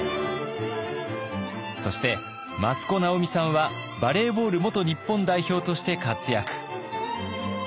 そして益子直美さんはバレーボール元日本代表として活躍。